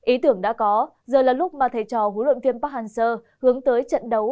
ý tưởng đã có giờ là lúc mà thầy trò huấn luyện viên park hang seo hướng tới trận đấu